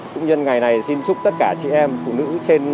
cũng như ngày này xin chúc tất cả chị em phụ nữ